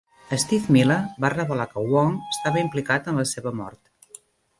Steve Miller va revelar que Hwang estava "implicat" en la seva mort.